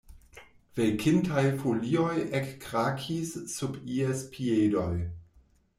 Velkintaj folioj ekkrakis sub ies piedoj.